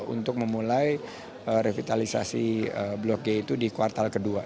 untuk memulai revitalisasi blok g itu di kuartal kedua